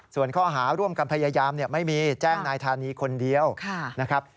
ส่วนข้อหาร่วมกันพยายามไม่มีแจ้งนายธานีคนเดียวนะครับ